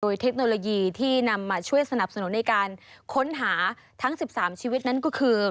เทคโนโลยีที่นำมาช่วยสนับสนุนในการค้นหาทั้ง๑๓ชีวิตนั้นก็คือ